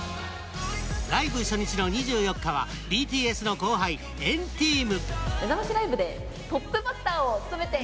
ライブ初日の２４日はＢＴＳの後輩、＆ＴＥＡＭ。